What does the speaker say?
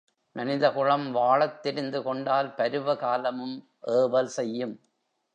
மனிதகுலம் வாழத் தெரிந்து கொண்டால் பருவ காலமும் ஏவல் செய்யும்.